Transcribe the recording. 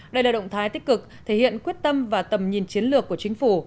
đây là động thái tích cực thể hiện quyết tâm và tầm nhìn chiến lược của chính phủ